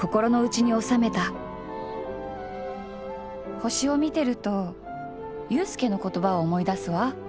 星を見てると裕介の言葉を思い出すヮ。